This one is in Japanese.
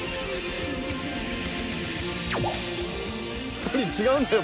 １人違うんだよ